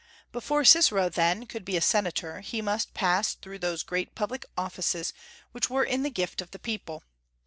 Before Cicero, then, could be a Senator, he must pass through those great public offices which were in the gift of the people.